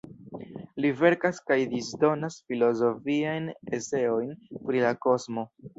Li verkas kaj disdonas filozofiajn eseojn pri la kosmo.